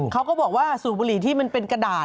เขาก็บอกว่าสูบบุหรี่ที่มันเป็นกระดาษ